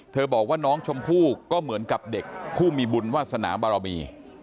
บอกว่าน้องชมพู่ก็เหมือนกับเด็กผู้มีบุญวาสนาบารมี